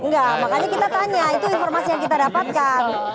enggak makanya kita tanya itu informasi yang kita dapatkan